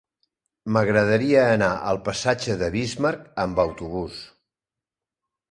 M'agradaria anar al passatge de Bismarck amb autobús.